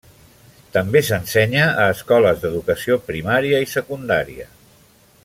També s'ensenya a escoles d'educació primària i secundària.